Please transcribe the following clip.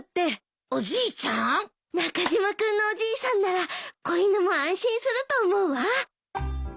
中島君のおじいさんなら子犬も安心すると思うわ。